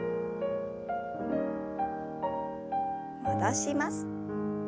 戻します。